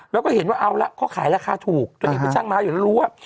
แล้วก็เห็นว่าเอาละเขาขายราคาถูกตัวเองเป็นช่างม้าอยู่แล้วรู้ว่า